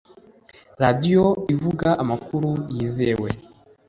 radio ivuga amakuru yizewe.